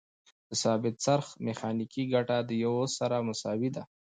د ثابت څرخ میخانیکي ګټه د یو سره مساوي ده.